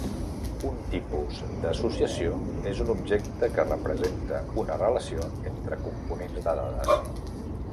Un tipus d'associació és un objecte que representa una relació entre components de dades.